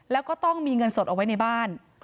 แล้วก็ต้องมีเงินสดเอาไว้ในบ้าน